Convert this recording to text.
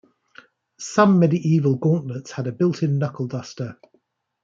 Some medieval gauntlets had a built-in knuckle duster.